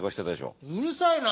うるさいな。